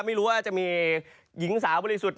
ไม่รู้ว่าจะมีหญิงสาวบริสุทธิ์